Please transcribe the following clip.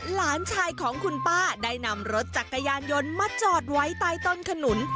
หลานชายของคุณป้าได้นำรถจักรยานยนต์มาจอดไว้ใต้ต้นขนุน